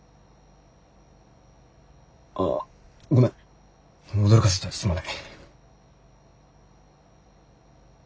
ああごめん驚かせてすまない。